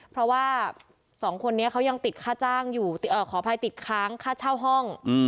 เพราะว่าสองคนนี้เขายังติดค่าจ้างอยู่ขออภัยติดค้างค่าเช่าห้อง